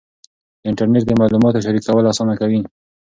انټرنېټ د معلوماتو شریکول اسانه کوي.